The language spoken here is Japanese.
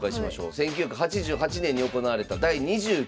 １９８８年に行われた第２９期王位戦。